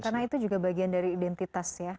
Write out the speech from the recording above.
karena itu juga bagian dari identitas ya